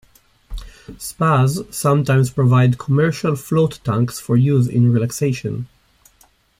Spas sometimes provide commercial float tanks for use in relaxation.